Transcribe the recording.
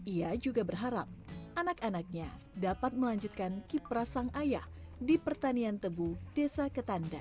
ia juga berharap anak anaknya dapat melanjutkan kiprah sang ayah di pertanian tebu desa ketanda